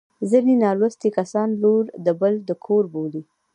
ځیني نالوستي کسان لور د بل د کور بولي